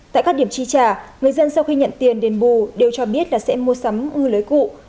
tại các điểm chi trả người dân sau khi nhận tiền đền bù đều cho biết là sẽ mua sắm ngư lưới cụ